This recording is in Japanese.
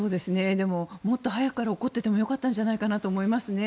でももっと早くから怒っていてもよかったんじゃないかなと思いますね。